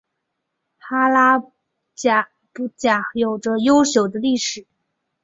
哈拉卜贾有着悠久的历史。